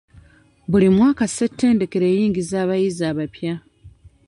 Buli mwaka Ssetendekero eyingiza abayizi abapya.